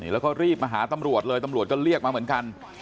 แล้วก็รีบมาหาตำรวจเลยตำรวจก็เรียกมาเหมือนกัน